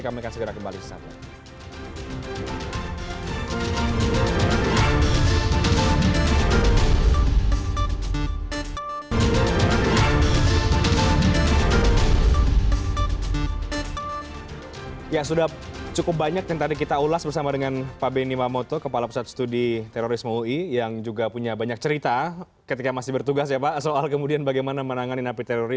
kami akan segera kembali